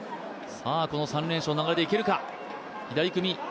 この３連勝の流れでいけるか。